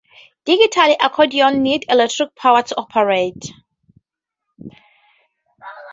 Digital accordions need electric power to operate.